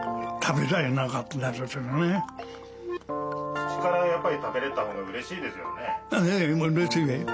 口からやっぱり食べれたほうがうれしいですよね？